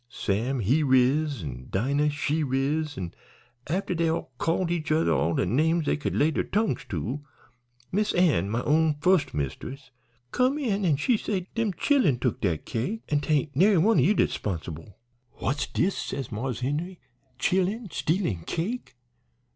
Sam he riz, an' Dinah she riz, an' after dey'd called each other all de names dey could lay dere tongues to, Miss Ann, my own fust mist'ess, come in an' she say dem chillen tuk dat cake, an' 't ain't nary one o' ye dat's 'sponsible. 'What's dis,' says Marse Henry 'chillen stealin' cake?